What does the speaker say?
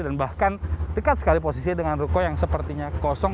dan bahkan dekat sekali posisinya dengan ruko yang sepertinya kosong